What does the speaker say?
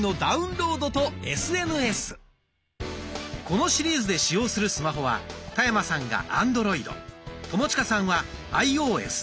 このシリーズで使用するスマホは田山さんがアンドロイド友近さんはアイオーエスです。